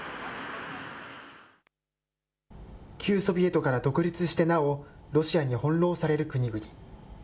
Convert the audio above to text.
旧ソビエトから独立してなお、ロシアに翻弄される国々。